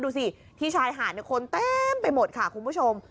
ดูสิที่ชายหาดคนเต็มไปหมดค่ะคุณผู้ชม